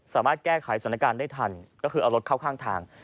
สามารถแก้ไขสถานการณ์ได้ทันก็คือเอารถเข้าข้างทาง